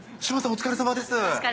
お疲れさまです。